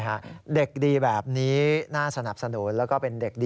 ใช่ค่ะเด็กดีแบบนี้น่าสนับสนุน